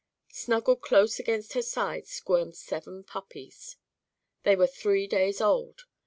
Snuggled close against her side squirmed seven puppies. They were three days old.